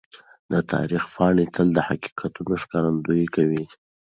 د تاریخ پاڼې تل د حقیقتونو ښکارندويي کوي.